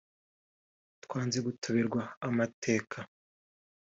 Twanze Gutoberwa Amateka